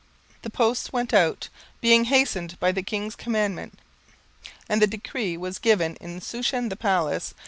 17:003:015 The posts went out, being hastened by the king's commandment, and the decree was given in Shushan the palace.